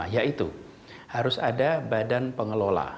yaitu harus ada badan pengelola